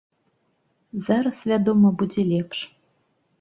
Зараз, вядома, будзе лепш.